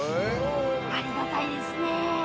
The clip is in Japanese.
ありがたいですね。